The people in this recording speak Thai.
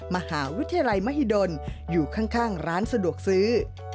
มหาวิทยาลัยมหิดลอยู่ข้างร้านสะดวกซื้อ